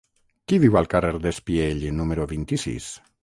Qui viu al carrer d'Espiell número vint-i-sis?